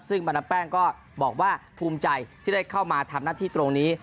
ซึ่งบรรดาแป้งก็บอกว่าภูมิใจที่ได้เข้ามาทำหน้าที่ตรงนี้